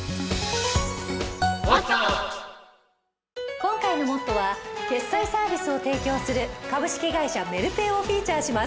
今回の『ＭＯＴＴＯ！！』は決済サービスを提供する株式会社メルペイをフィーチャーします。